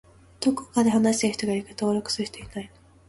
どこかで話している人がいるけど登録する人いないの？